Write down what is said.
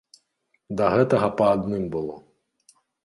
Да гэтага па адным было.